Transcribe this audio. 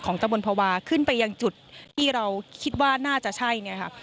ของจบลภาวะขึ้นไปอย่างจุดที่เราคิดว่าน่าจะใช่แน่ครับ